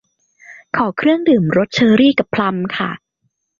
ขอเครื่องดื่มรสเชอรี่กับพลัมค่ะ